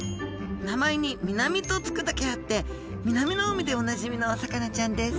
名前に「ミナミ」と付くだけあって南の海でおなじみのお魚ちゃんです